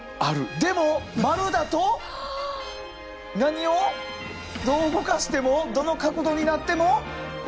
でも丸だと何をどう動かしてもどの角度になっても。